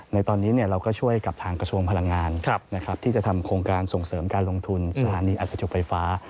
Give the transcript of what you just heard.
ในตอนนี้เราก็ช่วยกับทางกระทรวงพลังงานที่จะทำโครงการส่งเสริมการลงทุนสถานีอัดกระจกไฟฟ้า